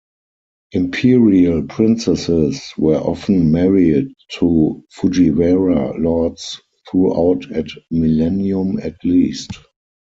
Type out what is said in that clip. Imperial princesses were often married to Fujiwara lords - throughout a millennium at least.